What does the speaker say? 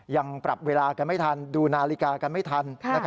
ยังปรับเวลากันไม่ทันดูนาฬิกากันไม่ทัน